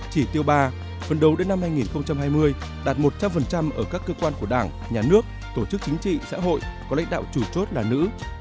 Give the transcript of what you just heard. chỉ tiêu ba phần đầu đến năm hai nghìn hai mươi đạt một trăm linh ở các cơ quan của đảng nhà nước tổ chức chính trị xã hội có lãnh đạo chủ chốt là nữ